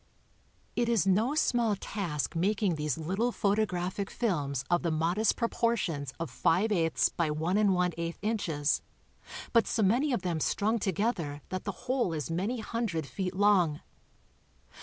It is no small task making these little photographic films of the modest proportions of five eighths by one and one eighth incfies, but so many of them strung together that the whole is many hundred feet long.